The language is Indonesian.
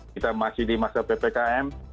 kita masih di masa ppkm